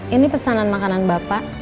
ini pesanan makanan bapak